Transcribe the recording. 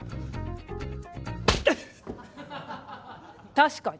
確かに。